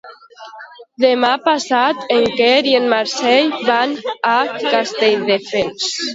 Demà passat en Quer i en Marcel van a Castelldefels.